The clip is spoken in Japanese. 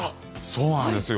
そうなんですよ。